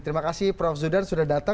terima kasih prof zudan sudah datang